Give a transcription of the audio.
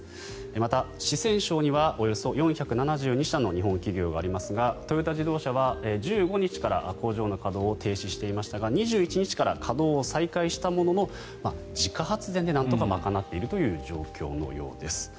また、四川省にはおよそ４７２社の日本企業がありますがトヨタ自動車は１５日から工場の稼働を停止していましたが２１日から稼働を再開したものの自家発電でなんとか賄っているという状況のようです。